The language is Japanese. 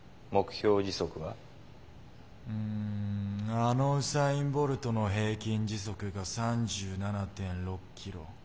あのウサイン・ボルトの平均時速が３７．６ｋｍ。